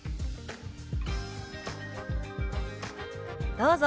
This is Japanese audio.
どうぞ。